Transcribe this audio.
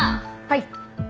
はい。